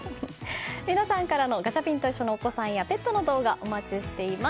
皆さんからのガチャピンといっしょ！のお子さんやペットの動画、お待ちしています。